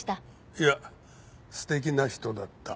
いや素敵な人だった。